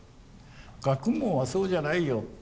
学問はそうじゃないよ。